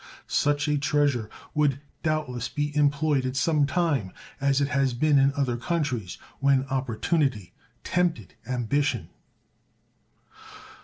Such a treasure would doubtless be employed at some time, as it has been in other countries, when opportunity tempted ambition.